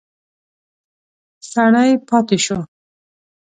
سړی پاتې شو.